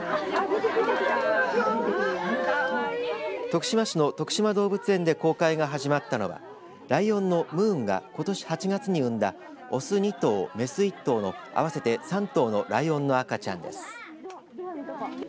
徳島市のとくしま動物園で公開が始まったのはライオンのムーンがことし８月に産んだ雄２頭雌１頭の合わせて３頭のライオンの赤ちゃんです。